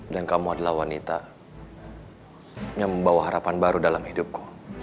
dan kamu adalah wanita yang membawa harapan baru dalam hidupku